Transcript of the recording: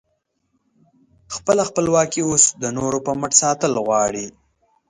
خپله خپلواکي اوس د نورو په مټ ساتل غواړې؟